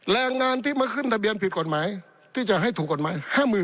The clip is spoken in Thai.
แรงงานที่มาขึ้นทะเบียนผิดกฎหมายที่จะให้ถูกกฎหมาย